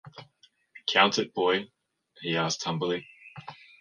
“Count it, boy,” he asked humbly.